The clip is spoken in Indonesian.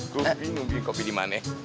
gue bingung kopi dimana ya